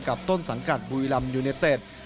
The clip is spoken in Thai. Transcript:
ต้นสังกัดบุรีรำยูเนเต็ด